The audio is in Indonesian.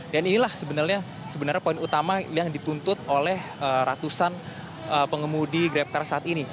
dan inilah sebenarnya poin utama yang dituntut oleh ratusan pengemudi grabcar saat ini